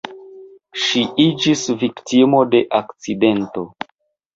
Ŝi iĝis viktimo de akcidento.